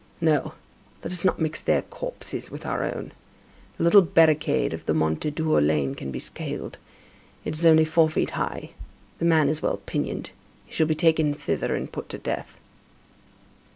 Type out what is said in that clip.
"No, let us not mix their corpses with our own. The little barricade of the Mondétour lane can be scaled. It is only four feet high. The man is well pinioned. He shall be taken thither and put to death."